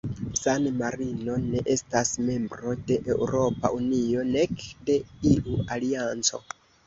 San-Marino ne estas membro de Eŭropa Unio, nek de iu alianco.